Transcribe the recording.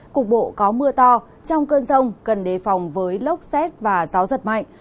cục bộ có mưa to trong cơn rông cần đề phòng với lốc xét và gió giật mạnh